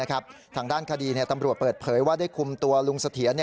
ทางด้านคดีตำรวจเปิดเผยว่าได้คุมตัวลุงเสถียร